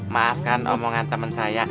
maafkan omongan temen saya